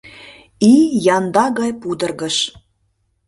Ий янда гай пудыргыш.